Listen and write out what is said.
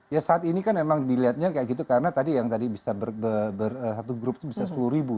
ya saat ini kan memang dilihatnya kayak gitu karena tadi yang tadi bisa satu grup itu bisa sepuluh ribu